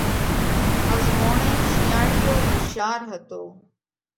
ۿزموڻئِي شِينئاۯِيو هوشِيار هتو۔